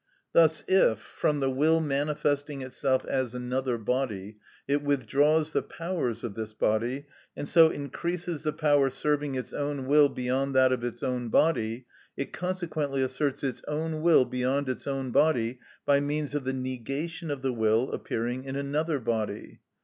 Thus if, from the will manifesting itself as another body, it withdraws the powers of this body, and so increases the power serving its own will beyond that of its own body, it consequently asserts its own will beyond its own body by means of the negation of the will appearing in another body.